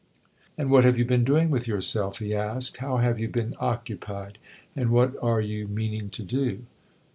"And what have you been doing with yourself?" he asked. "How have you been occupied, and what are you meaning to do?"